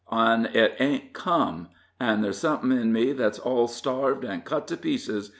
An' it ain't come. An' there's somethin' in me that's all starved and cut to pieces.